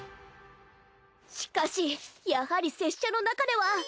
しかしやはり拙者の中では。